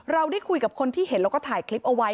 เราได้คุยกับคนที่เห็นแล้วก็ถ่ายคลิปเอาไว้